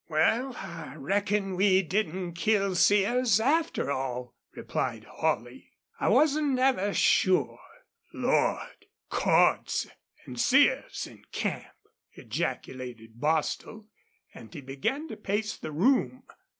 "Wal, I reckon we didn't kill Sears, after all," replied Holley. "I wasn't never sure." "Lord! Cordts an' Sears in camp," ejaculated Bostil, and he began to pace the room.